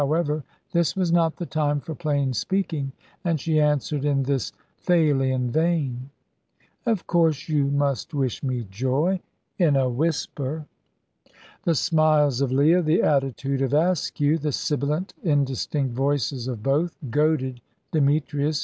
However, this was not the time for plain speaking, and she answered in this Thalian vein. "Of course you must wish me joy in a whisper." The smiles of Leah, the attitude of Askew, the sibilant indistinct voices of both, goaded Demetrius.